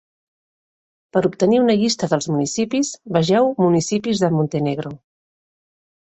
Per obtenir una llista dels municipis, vegeu municipis de Montenegro.